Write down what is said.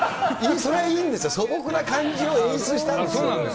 それはいいんですよ、素朴な感じを演出したいんですよ。